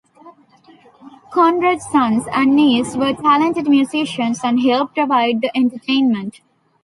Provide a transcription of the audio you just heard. Conrad's sons and niece were talented musicians and helped provide the entertainment.